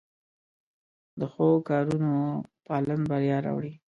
د ښو کارونو پالن بریا راوړي.